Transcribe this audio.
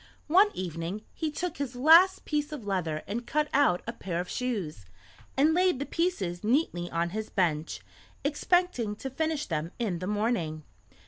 One evening he took his last piece of leather and cut out a pair of shoes and laid the pieces neatly on his bench, expecting to finish them in the morning.